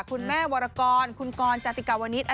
คุณแม่วรกรคุณกรจติกาวณิชย์